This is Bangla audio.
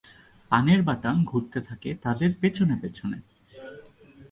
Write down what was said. পানের বাটা ঘুরতে থাকে তাদের পেছনে পেছনে।